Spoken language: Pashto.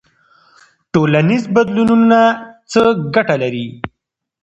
ټولنیز بدلونونه څه ګټه لري؟